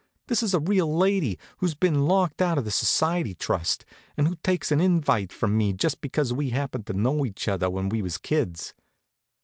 This is a real lady, who's been locked out by the society trust, and who takes an invite from me just because we happened to know each other when we was kids."